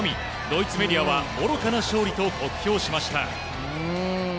ドイツメディアは愚かな勝利と酷評しました。